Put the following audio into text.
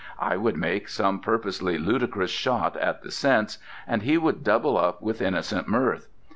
I would make some purposely ludicrous shot at the sense, and he would double up with innocent mirth.